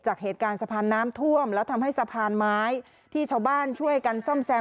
จากเหตุการณ์สะพานน้ำท่วมแล้วทำให้สะพานไม้ที่ชาวบ้านช่วยกันซ่อมแซม